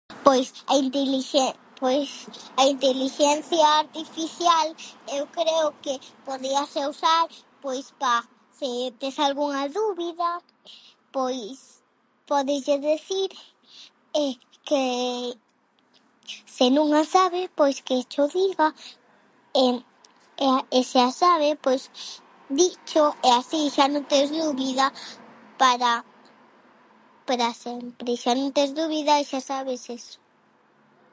Pois a intelixe- pois a intelixencia artificial eu creo que podíase usar pois pa se tes algunha dúbida, pois pódeslle decir e que se non a sabe, pois que cho diga e e se a sabe, pois dicho e así xa non tes dúbida para pra sempre, xa non tes dubida e xa sabes eso.